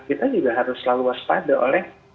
kita juga harus selalu waspada oleh